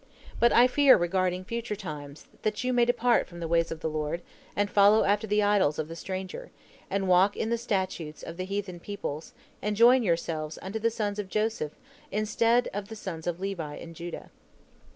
But I fear regarding future times, that you may depart from the ways of the Lord, and follow after the idols of the stranger, and walk in the statutes of the heathen peoples, and join yourselves unto the sons of Joseph instead of the sons of Levi and Judah."